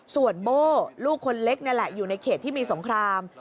ส่วนโบ้ลูกคนเล็กนี่แหละอยู่ในเขตที่มีสงคราม